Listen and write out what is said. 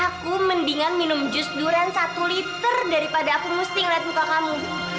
aku mendingan minum jus durian satu liter daripada aku roasting lihat muka kamu